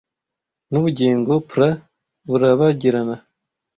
nubugingo pra burabagirana